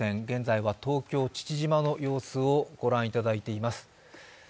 現在は東京・父島の様子を御覧いただいています。